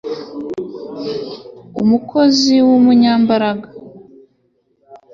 umukozi wumunyambaraga